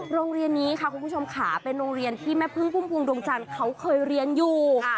โรงเรียนนี้ค่ะคุณผู้ชมค่ะเป็นโรงเรียนที่แม่พึ่งพุ่มพวงดวงจันทร์เขาเคยเรียนอยู่